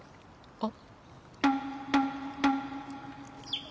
あっ。